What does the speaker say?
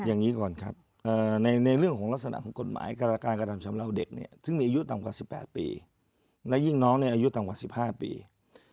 อย่างนี้ก่อนครับในเรื่องของลักษณะของกฎหมายการกระทำชำราวเด็กเนี่ยซึ่งมีอายุต่ำกว่า๑๘ปีและยิ่งน้องเนี่ยอายุต่ำกว่า๑๕ปี